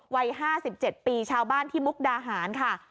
วัย๕๗ปีชาวบ้านที่มุกดาหารค่ะ